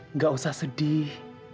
nggak usah sedih